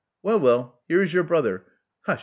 '* *'Well, well, here is your brother. Hush!